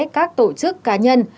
các tổ chức cá nhân